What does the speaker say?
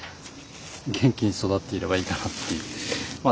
元気に育っていればいいかなっていうまあ